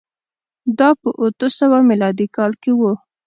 دا په اتو سوه میلادي کال کې و